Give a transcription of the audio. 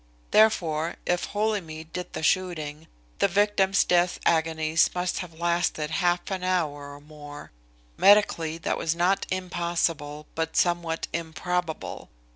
Therefore if Holymead did the shooting, the victim's death agonies must have lasted half an hour or more. Medically that was not impossible, but somewhat improbable.